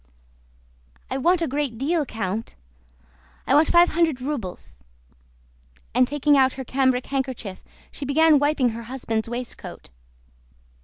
"I want a great deal, Count! I want five hundred rubles," and taking out her cambric handkerchief she began wiping her husband's waistcoat.